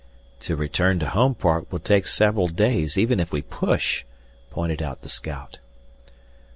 "To return to Homeport will take several days even if we push," pointed out the scout.